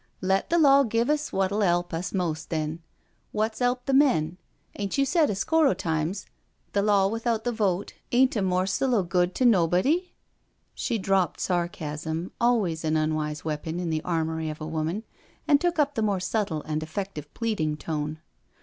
" Let the law give us what'U 'elp us most, then, Wot's 'elped the men? Ain't you said a score o' times the law without the vote ain't a morsel o' good to nobody?" She dropped sarcasm, always an unwise weapon in the armoury of a woman, and took up the more subtle and effective pleading tone.